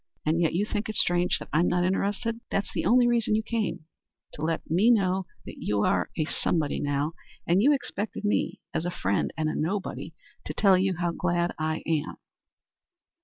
And yet you think it strange that I'm not interested. That's the only reason you came to let me know that you are a somebody now; and you expected me, as a friend and a nobody, to tell you how glad I am."